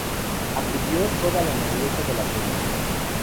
Acudió toda la nobleza de la provincia.